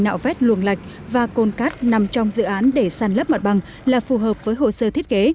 nạo vét luồng lạch và côn cát nằm trong dự án để sàn lấp mặt bằng là phù hợp với hồ sơ thiết kế